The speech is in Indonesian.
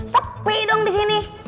sepi dong disini